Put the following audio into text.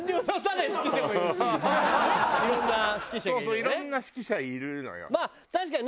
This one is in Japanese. いろんな指揮者がいるよね。